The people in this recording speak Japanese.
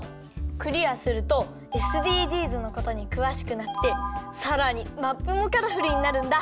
クリアするとＳＤＧｓのことにくわしくなってさらにマップもカラフルになるんだ。